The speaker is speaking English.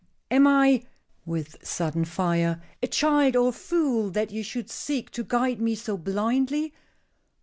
Am I," with sudden fire, "a child or a fool, that you should seek to guide me so blindly?